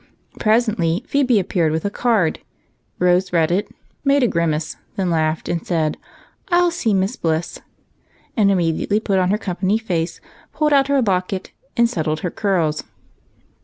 Presently, Phebe appeared with a card. Rose read it, made a grimace, then laughed and said, —" I '11 see Miss Bliss," and immediately put on her company face, pulled out her locket, and settled her curls.